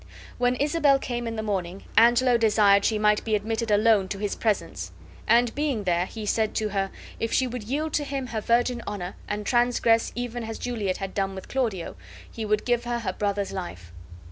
When Isabel came in the morning Angelo desired she might be admitted alone to his presence; and being there, he said to her, if she would yield to him her virgin honor and transgress even as Juliet had done with Claudio, he would give her her brother's life.